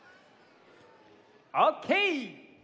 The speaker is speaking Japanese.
オッケー！